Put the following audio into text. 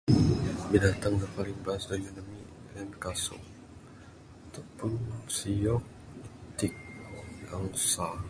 Binatang da paling bahas da ramin ami ngen kasung, atau pun siyok, itik, angsa.